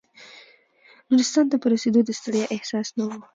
نورستان ته په رسېدو د ستړیا احساس نه و.